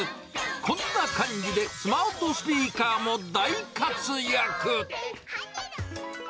こんな感じで、スマートスピーカーも大活躍。